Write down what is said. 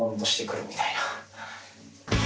みたいな。